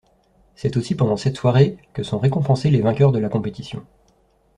C’est aussi pendant cette soirée que sont récompensés les vainqueurs de la compétition.